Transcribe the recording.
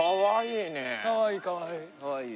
かわいいかわいい。